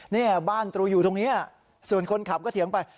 นี่บ้านตรูอยู่ตรงนี้ส่วนคนขับก็เถียงไป